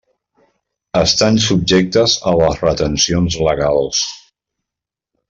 Estan subjectes a les retencions legals.